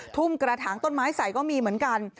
ทุ่มกระถางต้นไม้ใส่ก็มีเหมือนกัน